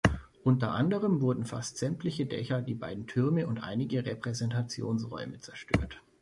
Unter anderem wurden fast sämtliche Dächer, die beiden Türme und einige Repräsentationsräume zerstört.